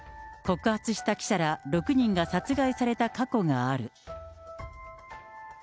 告発した記者ら６人が殺害された過去がある。